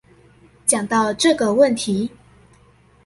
講到這個問題